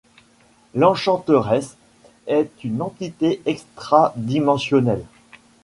L'Enchanteresse est une entité extra-dimensionnelle.